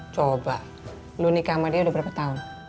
coba lo nika sama dia udah berapa tahun